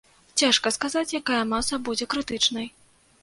Цяжка сказаць, якая маса будзе крытычнай.